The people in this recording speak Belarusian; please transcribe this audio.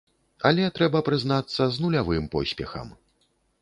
Але, трэба прызнацца, з нулявым поспехам.